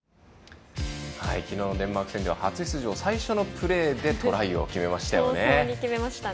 きのうのデンマーク戦では初出場最初のプレーでトライを決めましたよね。